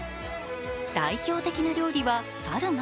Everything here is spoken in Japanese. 代表的な料理はサルマ。